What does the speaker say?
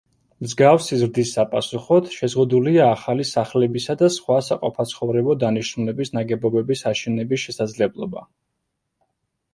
მსგავსი ზრდის საპასუხოდ, შეზღუდულია ახალი სახლებისა და სხვა საყოფაცხოვრებო დანიშნულების ნაგებობების აშენების შესაძლებლობა.